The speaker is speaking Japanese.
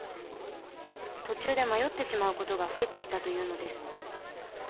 途中で迷ってしまう事が増えてきたというのです。